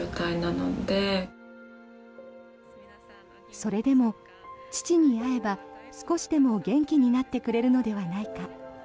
それでも父に会えば少しでも元気になってくれるのではないか。